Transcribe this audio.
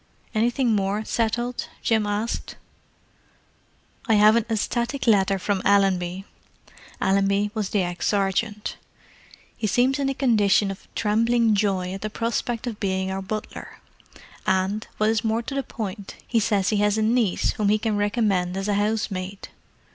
"Anything more settled?" Jim asked. "I have an ecstatic letter from Allenby." Allenby was the ex sergeant. "He seems in a condition of trembling joy at the prospect of being our butler; and, what is more to the point, he says he has a niece whom he can recommend as a housemaid.